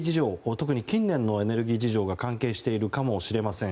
特に近年のエネルギー事情が関係しているかもしれません。